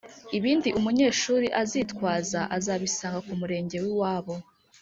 Ibindi umunyeshuri azitwaza azabisanga kumurenge wiwabo